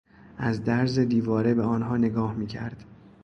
از درز دیواره به آنها نگاه میکرد.